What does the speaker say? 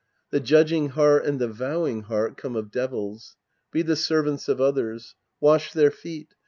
The judging heart and the vowing heart come of devils. Be the servants of others. Wash their feet.